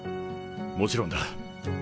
もちろんだ。